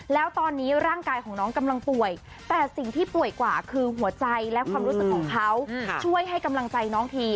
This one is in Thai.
แล้วตอนนี้ร่างกายของน้องกำลังป่วยแต่สิ่งที่ป่วยกว่าคือหัวใจและความรู้สึกของเขาช่วยให้กำลังใจน้องที